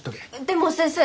でも先生。